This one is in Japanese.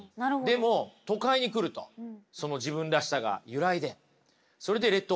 でも都会に来るとその自分らしさが揺らいでそれで劣等感を感じてしまう。